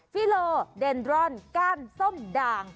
ฟิโลเดนรอนก้านส้มด่าง